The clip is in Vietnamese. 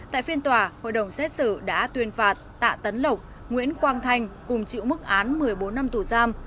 tại phiên tòa hội đồng xét xử đã tuyên phạt tạ tấn lộc nguyễn quang thanh cùng chịu mức án một mươi bốn năm tù giam